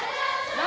何？